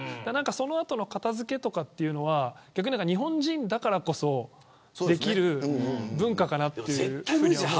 その後の片付けというのは日本人だからこそできる文化かなと。